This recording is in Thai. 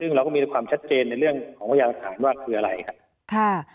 ซึ่งเราก็มีความชัดเจนในเรื่องของพยานหลักฐานว่าคืออะไรครับ